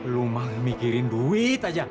lu mah mikirin duit aja